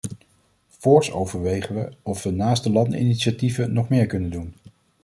Voorts overwegen we of we naast de landeninitiatieven nog meer kunnen doen.